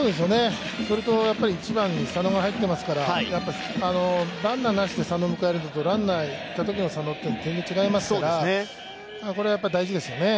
それと１番に佐野が入ってますから、ランナーなしで佐野を迎えるのと、ランナーいたときの佐野とは全然違いますからこれはやっぱ大事ですよね。